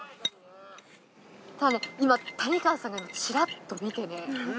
今谷川さんがチラッと見てね。